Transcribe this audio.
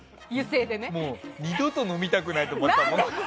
もう２度と飲みたくないと思ったって。